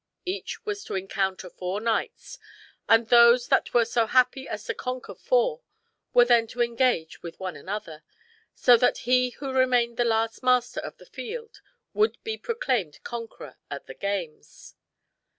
Each was to encounter four knights, and those that were so happy as to conquer four were then to engage with one another; so that he who remained the last master of the field would be proclaimed conqueror at the games.